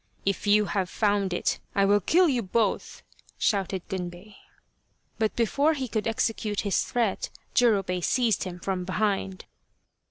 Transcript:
" If you have found it I will kill you both," shouted Gunbei. But before he could execute his threat Jurobei seized him from behind.